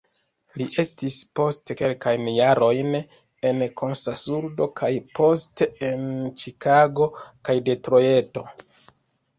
Li estis poste kelkajn jarojn en Kansasurbo kaj poste en Ĉikago kaj Detrojto.